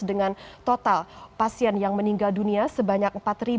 dengan total pasien yang meninggal dunia sebanyak empat empat ratus tujuh puluh empat